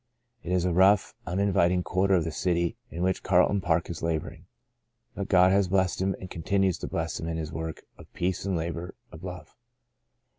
It is a rough, uninviting quarter of the city in which Carlton Park is labouring, but God has blessed him and continues to bless him in his work of peace and labour of love.